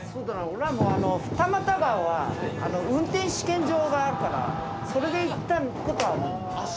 オラも二俣川は運転試験場があるからそれで行ったことある。